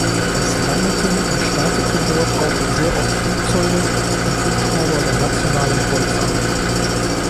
Es landeten und starteten dort auch sehr oft Flugzeuge und Hubschrauber der Nationalen Volksarmee.